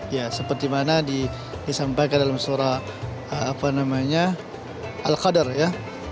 ya seperti mana disampaikan dalam surah al qadr ya